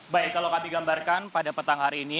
baik kalau kami gambarkan pada petang hari ini